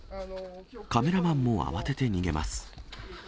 カメラマンも慌てて逃げます。